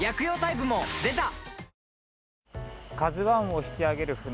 「ＫＡＺＵ１」を引き揚げる船